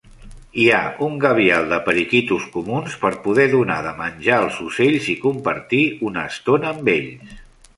Hi ha un gabial de periquitos comuns por poder donar de menjar als ocells i compartir una estona amb ells.